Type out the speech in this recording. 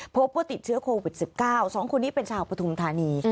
พบว่าติดเชื้อโควิด๑๙๒คนนี้เป็นชาวปฐุมธานี